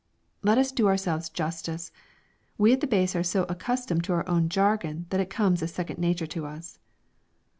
Let us do ourselves justice! We at the Base are so accustomed to our own "jargon" that it comes as second nature to us.